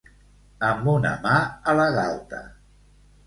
Amb una mà a la galta.